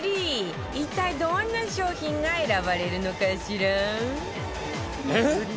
一体どんな商品が選ばれるのかしら？